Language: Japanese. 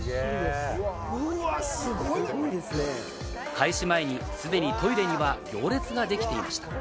開始前に既にトイレには行列ができていました。